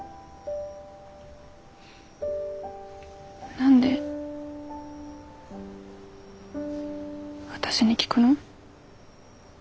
何で私に聞くの？